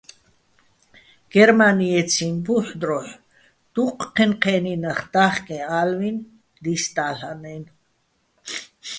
გერმა́ნიეციჼ ბუჰ̦ დროჰ̦ დუჴ ჴენ-ჴე́ნი ნახ და́ხკეჼ ალვინ დისდა́ლ'ანაჲნო̆.